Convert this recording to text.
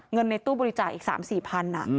เงินในตู้บริจาคอีก๓๐๐๐๔๐๐๐อ่ะ